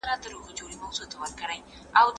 د زړو خلګو لپاره هم لیکل ګټور دي.